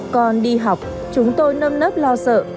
con đi học chúng tôi nâm nớp lo sợ